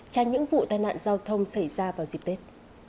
trai những vụ tàn nạn giao thông xảy ra vào dịp tết